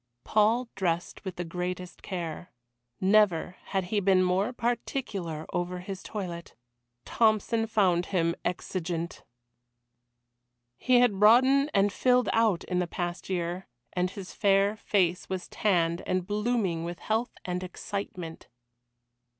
Paul dressed with the greatest care; never had he been more particular over his toilet. Tompson found him exigeant! He had broadened and filled out in the past year, and his fair face was tanned, and blooming with health and excitement.